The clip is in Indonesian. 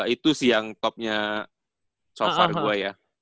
itu sih yang topnya so far gua ya